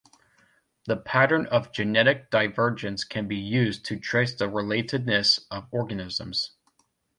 The pattern of genetic divergence can be used to trace the relatedness of organisms.